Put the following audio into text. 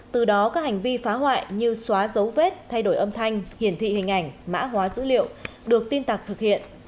từ đó các hành vi phá hoại như xóa dấu vết thay đổi âm thanh hiển thị hình ảnh mã hóa dữ liệu được tin tặc thực hiện